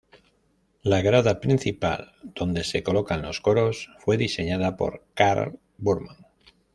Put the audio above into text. La grada principal donde se colocan los coros fue diseñada por Karl Burman.